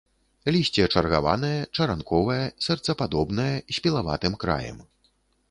Лісце чаргаванае, чаранковае, сэрцападобнае, з пілаватым краем.